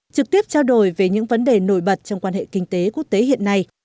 trực tiếp trao đổi về những vấn đề nổi bật trong quan hệ kinh tế quốc tế hiện nay